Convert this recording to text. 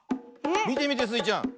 みてみてスイちゃん。